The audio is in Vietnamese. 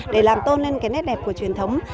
để làm tôn lên cái nét đẹp của truyền thống